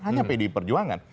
hanya pdi perjuangan